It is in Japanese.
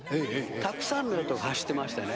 たくさんのヨットが走ってましてね